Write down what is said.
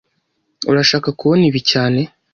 Urashaka kubona ibi cyane